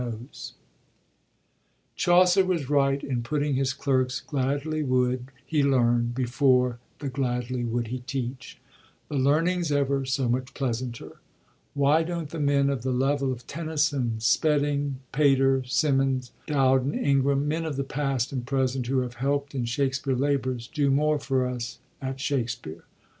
15a LINKS BETWEEN SHAKSPERE'S PLAYS Chaucer was right in putting his clerk's '* gladly wolde he leme '' before the '* gladly wolde he teche ": the learning's ever so much pleasanter. Why don't the men of the level of Tennyson, Spedding, Pater, Symonds, Dowden, Ingram— men of the past and present who have helpt in Shakspere labors,— do more for us at Shak spere?